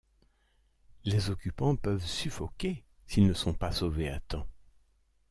Les occupants peuvent suffoquer s'ils ne sont pas sauvés à temps.